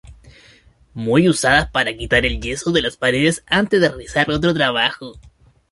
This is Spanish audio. Muy usada para quitar el yeso de las paredes antes de realizar otro trabajo.